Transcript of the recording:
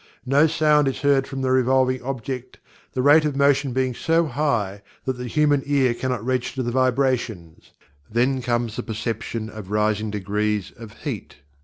No sound is heard from the revolving object, the rate of motion being so high that the human ear cannot register the vibrations. Then comes the perception of rising degrees of Heat.